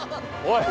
おい！